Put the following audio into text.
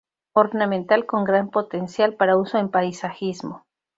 Ornamental, con gran potencial para uso en paisajismo.